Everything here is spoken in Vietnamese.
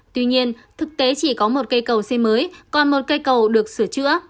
tuy nhiên thực tế chỉ có một cây cầu xây mới còn một cây cầu được sửa chữa